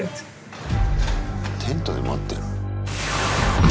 テントで待ってる？